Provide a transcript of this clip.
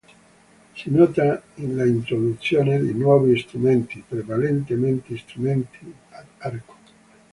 Si nota l'introduzione di nuovi strumenti, prevalentemente strumenti ad arco.